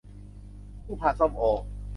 คู่พานส้มโอ